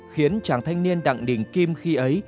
khiến chàng thanh niên đặng đình kim khi ấy